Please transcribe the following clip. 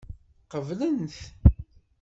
Qeblen-t.